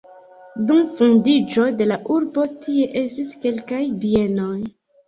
Dum fondiĝo de la urbo tie estis kelkaj bienoj.